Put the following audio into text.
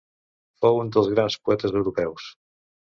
Fou un dels grans poetes europeus.